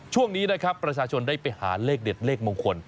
ช่วงนี้นะครับประชาชนได้ไปหาเลขเด็ดเลขมงคล